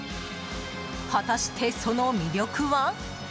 果たして、その魅力は？